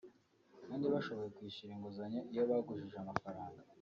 kandi bashoboye kwishyura inguzanyo iyo bagujije amafaranga